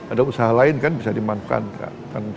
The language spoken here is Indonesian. ada usaha lain kan bisa dimanfaatkan